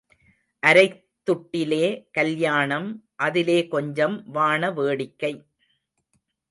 அரைத் துட்டிலே கல்யாணம் அதிலே கொஞ்சம் வாண வேடிக்கை.